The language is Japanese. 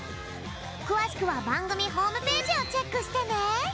くわしくはばんぐみホームページをチェックしてね！